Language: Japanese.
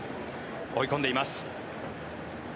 追い込んでいます。